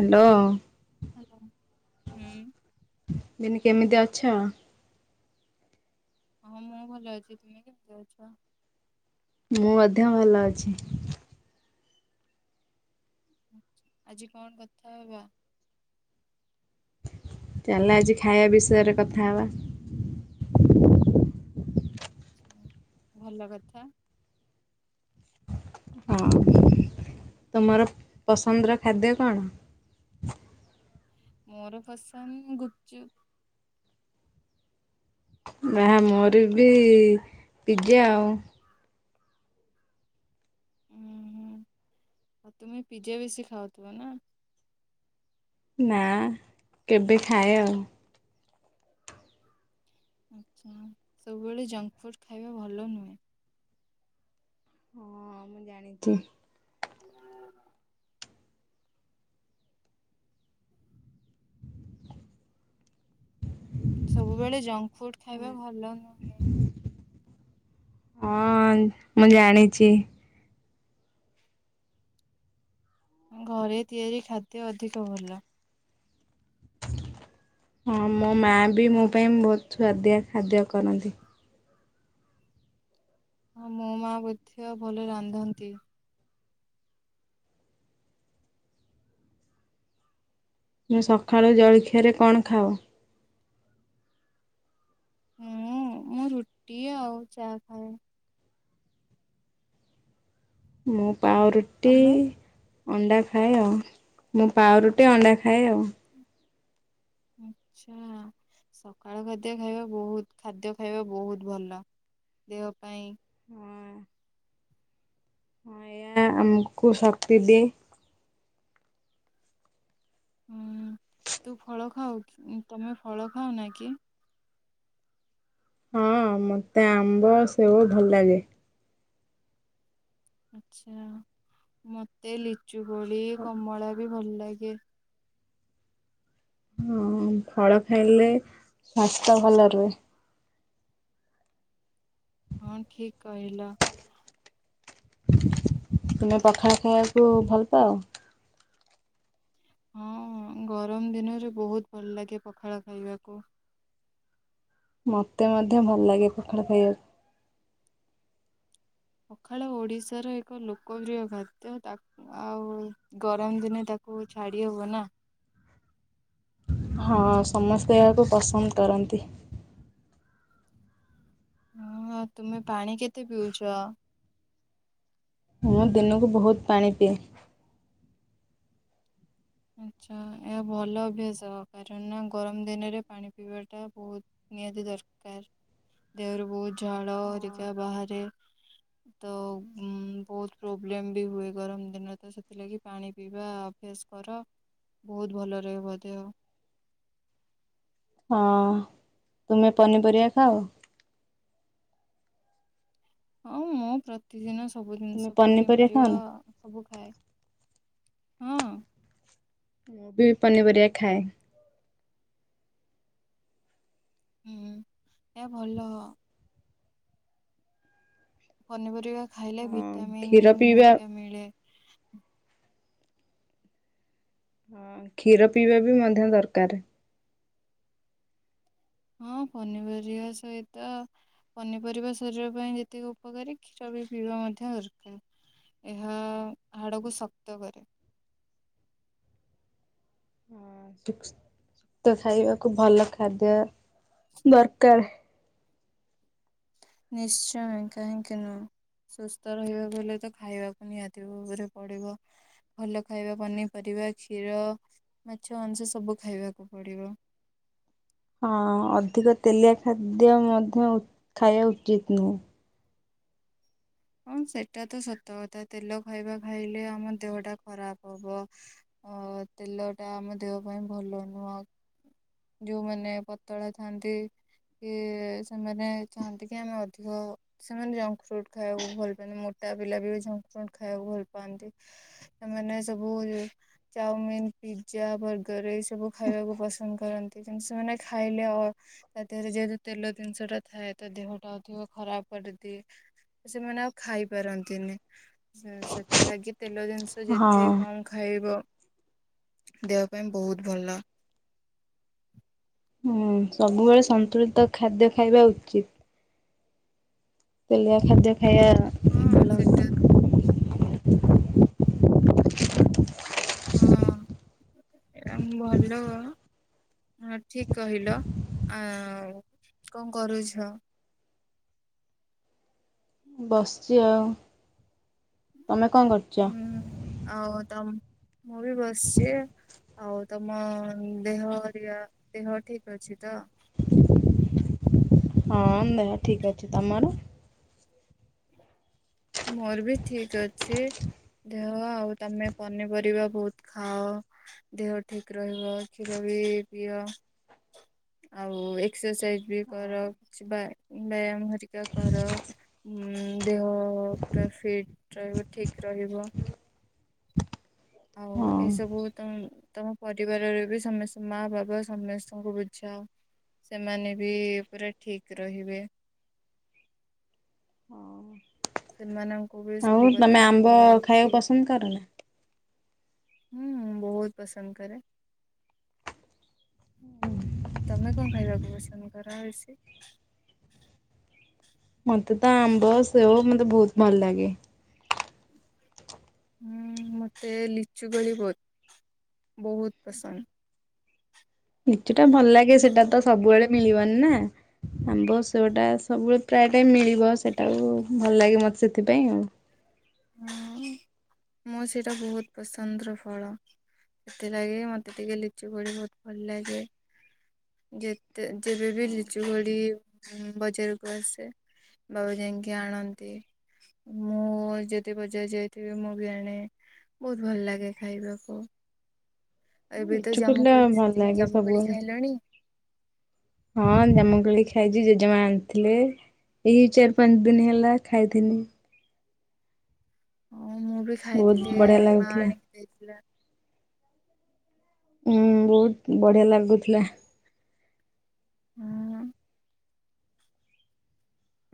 Hello. Hello ଉଁ। ବିନି କେମିତି ଅଛ? ହଁ ମୁଁ ଭଲ ଅଛି ତୁମେ କେମିତି ଅଛ? ମୁଁ ମଧ୍ୟ ଭଲ ଅଛି। ଆଜି କଣ କଥା ହବା। ଚାଲ ଆଜି ଖାଇବା ବିଷୟରେ କଥା ହବା। ଭଲ କଥା। ହଉ ତୁମର ପସନ୍ଦର ଖାଦ୍ୟ କଣ? ମୋର ପସନ୍ଦ ଗୁପ୍ ଚୁପ୍। ନା ମୋର ବି ପିଜ୍ଜା ଆଉ। ଉଁ ହୁଁ ଆଉ ତୁମେ ପିଜ୍ଜା ବେଶି ଖାଉଥିବ ନା। ନା କେବେ ଖାଏ ଆଉ ଆଚ୍ଛା ସବୁବେଳେ ଜଙ୍କ ଫୁଡ ଖାଇବା ଭଲ ନୁହେଁ। ହଁ ମୁଁ ଜାଣିଛି। ସବୁବେଳେ ଜଙ୍କ ଫୁଡ ଖାଇବା ଭଲ ନୁହଁ। ହଁ ମୁଁ ଜାଣିଛି। ଘରେ ତିଆରି ଖାଦ୍ୟ ଅଧିକ ଭଲ। ହଁ ମୋ ମାଆ ବି ମୋ ପାଇଁ ବହୁତ ସୁଆଦିଆ ଖାଦ୍ୟ କରନ୍ତି। ହଁ ମୋ ମାଆ ବଧ୍ୟ ଭଲ ରାନ୍ଧନ୍ତି। ମୁଁ ସକାଳ ଜଳଖିଆରେ କଣ ଖାଅ? ମୁଁ ମୁଁ ରୁଟି ଆଉ ଚାହା ଖାଏ। ମୁଁ ପାଉଁରୁଟି। ତମେ? ଅଣ୍ଡା ଖାଏ ଆଉ ମୁଁ ପାଉଁରୁଟି ଅଣ୍ଡା ଖାଏ ଆଉ। ଆଚ୍ଛା ସକାଳ ଖାଦ୍ୟ ଖାଇବା ବହୁତ ଖାଦ୍ୟ ଖାଇବା ବହୁତ ଭଲ। ଦେହ ପାଇଁ ହୁଁ। ଏହା ଆମକୁ ଶକ୍ତି ଦିଏ। ହୁଁ ତୁ ଫଳ ଖାଉ କୁ ତମେ ଫଳ ଖାଆନା କି? ହଁ ମତେ ଆମ୍ବ ସେଓ ଭଲ ଲାଗେ। ଆଛା ମତେ ଲିଚୁ କୋଳି କମଳା ବି ଭଲ ଲାଗେ। ହଁ ଫଳ ଖାଇଲେ ସ୍ୱାସ୍ଥ୍ୟ ଭଲ ରୁହେ। ହଁ ଠିକ୍ କହିଲ। ତୁମେ ପଖାଳ ଖାଇବାକୁ ଭଲ ପାଅ? ହଁ ହଁ ଗରମ ଦିନରେ ବହୁତ ଭଲ ଲାଗେ ପଖାଳ ଖାଇବାକୁ। ମତେ ମଧ୍ୟ ଭଲ ଲାଗେ ପଖାଳ ଖାଇବାକୁ। ପଖାଳ ଓଡ଼ିଶାର ଏକ ଲୋକପ୍ରିୟ ଖାଦ୍ୟ ତାକୁ ଆଉ ଗରମ ଦିନେ ତାକୁ ଛାଡ଼ି ହବନି ନା। ହଁ ସମସ୍ତେ ଏହାକୁ ପସନ୍ଦ କରନ୍ତି। ହଁ ତୁମେ ପାଣି କେତେ ପିଉଛ? ମୁଁ ଦିନକୁ ବହୁତ ପାଣି ପିଏ। ଆଚ୍ଛା ଏହା ଭଲ ଅଭ୍ୟାସ କାରଣ ନା ଗରମ ଦିନରେ ପାଣି ପିଇବାଟା ବହୁତ ନିହାତି ଦରକାର ଦେହରୁ ବହୁତ ଝାଳ ହେରିକା ବାହାରେ। ତ ଉ ବହୁତ ପ୍ରୋବ୍ଲେମ ବି ହୁଏ ଗରମ ଦିନରେ ତ ସେଥିଲାଗି ପାଣି ପିଇବା ଅଭ୍ୟାସ କର ବହୁତ ଭଲ ରହିବ ଦେହ। ହଁ ତୁମେ ପନିପରିବା ଖାଅ? ହଁ ମୁଁ ପ୍ରତିଦିନ ସବୁ ତୁମେ ଜିନିଷ ଖାଅ ପନିପରିବା ନା? ସବୁ ଖାଏ। ହଁ। ମୁ ବି ପନିପରିବା ଖାଏ। ହୁଁ ଏହା ଭଲ। ପନିପରିବା ଖାଇଲେ ହଁ ଭିଟାମିିନ୍ କ୍ଷୀର ପିଇବା ହେରିକା ମିଳେ। ହଁ କ୍ଷୀର ପିଇବା ବି ମଧ୍ୟ ଦରକାର। ହଁ ପନିପରିବା ସହିତ ପନିପରିବା ଶରୀର ପାଇଁ ଯେତିକି ଉପକାରୀ କ୍ଷୀର ବି ପିଇବା ମଧ୍ୟ ଦରକାର। ଏହା ହାଡ଼କୁ ଶକ୍ତ କରେ। ସୁସ୍ଥ ଖାଇବାକୁ ଭଲ ଖାଦ୍ୟ ଦରକାର। ନିଶ୍ଚୟ କାହିଁକି ନୁହଁ। ସୁସ୍ଥ ରହିବାକୁ ହେଲେ ତ ଖାଇବାକୁ ନିହାତି ଭାବରେ ପଡ଼ିବ। ଭଲ ଖାଇବା ପନିପରିବା କ୍ଷୀର ମାଛ ମାଂସ ସବୁ ଖାଇବାକୁ ପଡ଼ିବ। ହଁ ଅଧିକ ତେଲିଆ ଖାଦ୍ୟ ମଧ୍ୟ ଖାଇବା ଉଚିତ୍ ନୁହେଁ। ହଁ ସେଟା ତ ସତ କଥା ତେଲ ଖାଇବା ଖାଇଲେ ଆମ ଦେହ ଟା ଖରାପ ହବ। ଅ ତେଲ ଟା ଆମ ଦେହ ପାଇଁ ଭଲ ନୁହଁ। ଯୋଉମାନେ ପତଳା ଥାନ୍ତି କି ସେମାନେ ଚାହାନ୍ତି କି ଆମେ ଅଧିକ ସେମାନେ ଜଙ୍କ ଫ୍ରୁଟ୍ ଖାଇବାକୁ ଭଲ ପାଆ ମୋ ଟା ପିଲା ବି ଜଙ୍କ ଫ୍ରୁଟ୍ ଖାଇବାକୁ ଭଲ ପାଆନ୍ତି ସେମାନେ ସବୁ ଚାଓମିିନ ପିଜା ବର୍ଗର ଏଇସବୁ ଖାଇବାକୁ ପସନ୍ଦ କରନ୍ତି କିନ୍ତୁ ସେମାନେ ଖାଇଲେ ଅ ତା ଦେହରେ ଯେହେତୁ ତେଲ ଜିନିଷଟା ଥାଏ ତା ଦେହଟା ଅଧିକ ଖରାପ କରିଦିଏ। ସେମାନେ ଆଉ ଖାଇ ପାରନ୍ତିନି ସେଥିଲାଗି ତେଲ ଜିନିଷ ହଁ ଯେତେ କମ ଖାଇବ ଦେହ ପାଇଁ ବହୁତ ଭଲ। ହୁଁ ସବୁବେଳେ ସନ୍ତୁଳିତ ଖାଦ୍ୟ ଖାଇବା ଉଚିତ୍। ତେଲିଆ ଖାଦ୍ୟ ଖାଇବାର ନାହିଁ। ହଁ ସେଟା। [inaudible] ହଁ ଆମ ଭଲ ହଁ ଠିକ କହିଲ ଆ କଣ କରୁଛ? ବସିଛି ଆଉ ତମେ କଣ କରୁଛ? ହୁଁ ଆଉ ତମ ମୁଁ ବି ବସିଛି। ଆଉ ତମ ଦେହ ହେରିକା ଦେହ ଠିକ ଅଛି ତ? ହଁ ଦେହ ଠିକ ଅଛି ତମର? ମୋର ବି ଠିକ ଅଛି। ଦେହ ଆଉ ତମେ ପନିପରିବା ବହୁତ ଖାଅ। ଦେହ ଠିକ ରହିବ କ୍ଷୀର ବି ପିଅ। ଆଉ ଏକ୍ସରସାଇଜ ବି କର କିଛି ବ୍ୟାୟାମ ହେରିକା କର। ଉଁ ଦେହ ପୁରା ଫିଟ ରହିବ ଠିକ ରହିବ। ଆଉ ହଁ ଏଇସବୁ ତମେ ତମ ପରିବାରରେ ବି ସମସ୍ତେ ମା ବାପ ସମସ୍ତଙ୍କୁ ବୁଝାଅ। ସେମାନେ ବି ପୁରା ଠିକ ରହିବେ। ସେମାନଙ୍କୁ ବି ଆଉ ସବୁ ତମେ କଥା ଆମ୍ବ କୁହ ଖାଇବାକୁ କି? ପସନ୍ଦ କର ନା? ହୁଁ ବହୁତ ପସନ୍ଦ କରେ। ତମେ କଣ ଖାଇବାକୁ ପସନ୍ଦ କର ବେଶୀ? ମତେ ତ ଆମ୍ବ ସେଓ ମତେ ବହୁତ ଭଲ ଲାଗେ। ହୁଁ ମତେ ଲିଚୁ କୋଳି ବହୁତ ବହୁତ୍ ପସନ୍ଦ। ଲିଚୁ ଟା ଭଲ ଲାଗେ ସେଟା ତ ସବୁବେଳେ ମିଳିବନି ନା? ଆମ୍ବ ସେଓଟା ସବୁବେଳେ ପ୍ରାୟ ଟାଇମ୍ ମିଳିବ ସେଇଟାକୁ ଭଲ ଲାଗେ ମତେ ସେଥିପାଇଁ ଆଉ ହୁଁ ମୋର ସେଇଟା ବହୁତ ପସନ୍ଦର ଫଳ। ସେଥିଲାଗି ମତେ ଟିକେ ଲିଚୁ କୋଳି ବହୁତ ଭଲ ଲାଗେ। ଯେତେ ଯେବେବି ଲିଚୁ କୋଳି ବଜାରକୁ ଆସେ। ବାବା ଯାଇକି ଆଣନ୍ତି ମୁଁ ଯେତେ ଯେତେ ବଜାର ଯାଇଥିବେ ମୁଁ ବି ଆଣେ ବହୁତ ଭଲ ଲାଗେ ଖାଇବାକୁ। ଏବେ ତ ଲିଚୁ କୋଲା ଜାମୁକୋଳି କୋରି ଭଲ ସିଜିନ ଲାଗେ ଜାମୁକୋଲି ସବୁବେଳେ। କରି ଖାଇଲଣି। ହଁ ଜାମୁକୋଳି ଖାଇଛି ଜେଜେମା ଆଣିଥିଲେ। ଏଇ ଚାରି ପାଞ୍ଚ ଦିନ ହେଲା ଖାଇଥିନି। ହଁ ମୁଁ ବି ବହୁତ ଖାଇଥିଲି ବଢିଆ ମା ଲାଗୁଥିଲା। ଆଣିକି ଦେଇଥିଲା। ହୁଁ ବହୁତ ବଢିଆ ଲାଗୁଥିଲା। ହାଁ।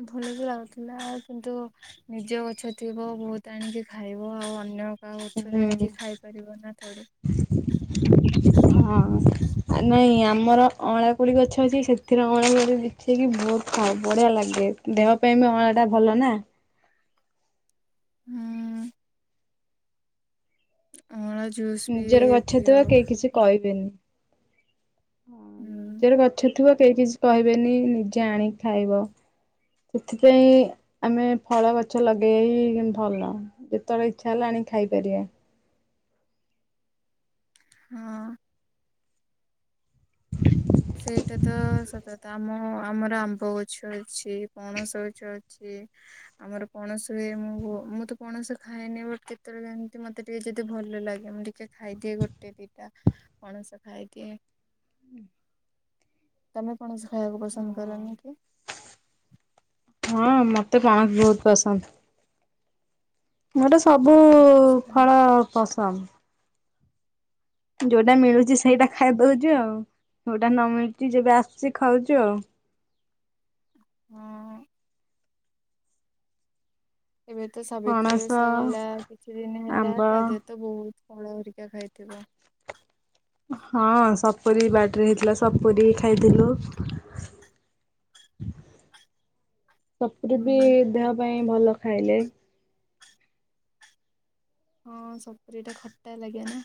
ଭଲ ବି ଲାଗୁଥିଲା କିନ୍ତୁ ନିଜ ଗଛ ଥିବ ବହୁତ ଆଣିକି ଖାଇବ ଆଉ ଅନ୍ୟ କା ଗଛରୁ ହୁଁ। ଆଣିକି ଖାଇପାରିବ ନା ଥୋଡି। ହଁ। ଆ ନାଇଁ ଆମର ଅଁଳା କୋଳି ଗଛ ଅଛି ସେଥିରେ ଅଁଳା କୋଳି ଦେଖିକି ବହୁତ ଖାଉ ବଢିଆ ଲାଗେ। ଦେହ ପାଇଁ ବି ଅଁଳାଟା ଭଲ ନା। ହୁଁ। ଅଁଳା ଜୁ ନିଜର ଗଛ ଥିବ କେହି କିଛି କହିବେନି ହୁଁ ନିଜର ଗଛ ଉଥିବ କେହି କିଛି କହିବେନି ନିଜେ ଆଣିକି ଖାଇବ। ସେଥିପାଇଁ ଆମେ ଫଳ ଗଛ ଲଗେଇବା ହିଁ ଭଲ। ଯେତବେଳେ ଇଚ୍ଛା ହେଲା ଆଣିି ଖାଇପାରିବେ। ହଁ। ସେଇଟା ତ ସତ କଥା ଆମ ଆମର ଆମ୍ବ ଗଛ ଅଛି ପଣସ ଗଛ ଅଛି। ଆମର ପଣସ ହୁଏ ମୁଁ ମୁଁ ତ ପଣସ ଖାଏନି ବଟ କେତେବେଳେ କେମିତି ମତେ ଟିକେ ଯଦି ଭଲ ଲାଗେ ମୁଁ ଟିକେ ଜ ଖାଇଦିଏ ଗୋଟେ ଦିଟା ପଣସ ଖାଇଦିଏ। ତମେ ପଣସ ଖାଇବାକୁ ପସନ୍ଦ କରନି କି? ହଁ ମତେ ପଣସ ବହୁତ ପସନ୍ଦ। ମୋର ସବୁ ଆଚ୍ଛା ଫଳ ପସନ୍ଦ। ଯୋଉଟା ମିଳୁଛି ହୁଁ। ସେଇଟା ଖାଇଦଉଛି ଆଉ ଯୋଉଟା ନ ମିଳୁଛି ଯେବେ ଆସୁଛି ଖାଉଛୁ ଆଉ। ହୁଁ। ଏବେ ତ ସାବିତ୍ରୀ ପଣସ ଓସା ଗଲା କିଛି ଦିନ ହେଲା ଆମ୍ବ ତା ଦେହରେ ତ ବହୁତ ଫଳ ହରିକା ଖାଇଥିବ? ହଁ ସପୁରୀ ବାଡିରେ ହେଇଥିଲା ସପୁରୀ ଖାଇଥିଲୁ। [inaudible] ସପୁରୀ ବି ହୁଁ ଦେହ ପାଇଁ ଭଲ ଖାଇଲେ। ହଁ ସପୁରୀ ଟା ଖଟା ଲାଗେ ନା।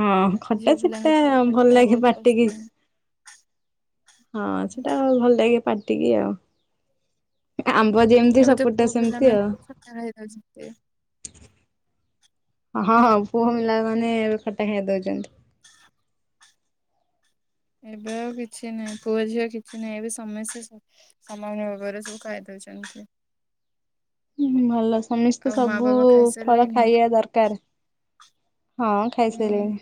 ହଁ ଝିଅ ଖଟା ପିଲାଙ୍କୁ ଛିଟା ତ ଖଟା ଭଲ ଲାଗେ ବହୁତ ପାଟିକି। ପସନ୍ଦ। ହଁ ସେଟା ଭଲ ଲାଗେ ପାଟିକି ଆଉ। ଆମ୍ବ ହୁଁ ଯେମିତି ଏବେ ତ ସପୁରୀଟା ପୁଅ ସେମିତି ପିଲାମାନେ ଆଉ। ବି ଖଟା ଖାଇ ଦଉଛନ୍ତି। ହଁ ହଁ ପୁଅ ମିଲା ମାନେ ଏବେ ଖଟା ଖାଇ ଦଉଛନ୍ତି। [inaudible] ଏବେ ଆଉ କିଛି ନାହିଁ ପୁଅ ଝିଅ କିଛି ନାହିଁ ଏବେ ସମସ୍ତେ ସମା ସାମାନ୍ୟ ଭାବରେ ସବୁ ଖାଇଦଉଛନ୍ତି। ଭଲ ସମସ୍ତେ ଆଉ ମା ସବୁ ବାବା ଫଳ ଖାଇସାରିଲେଣି ଖାଇବା ଦରକାର, ହଁ। ହୁଁ ଖାଇସାଇଲେନି।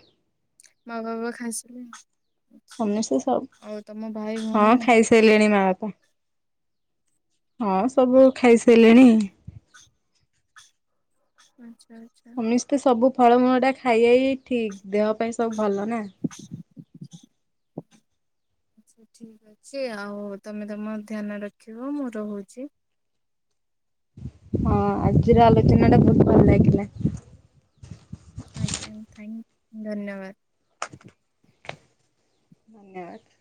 ମା ବାବା ଖାଇସାରିଲେଣି? ସମସ୍ତେ ସବୁ ଆଉ ତମ ଭାଇ ହଁ ଭଉଣୀ ତମ ଖାଇସାରିଲେଣି ମା ବାପା ହଁ ସବୁ ଖାଇସାରିଲେଣି। ଆଚ୍ଛା। ଆଚ୍ଛା। ସମେସ୍ତେ ସବୁ ଫଳମୂଳ ଟା ଖାଇଇ ଠିକ ଦେହ ପାଇଁ ସବୁ ଭଲ ନା? [inaudible] ଆଛା ଠିକ ଅଛି ଆଉ ତମେ ତମ ଧ୍ୟାନ ରଖିବ ମୁଁ ରହୁଛି। ହଁ ଆଜିର ଆଲୋଚନା ଟା ବହୁତ ଭଲ ଲାଗିଲା। ଆଜ୍ଞା ଥଙ୍କ ଧନ୍ୟବାଦ। ଧନ୍ୟବାଦ।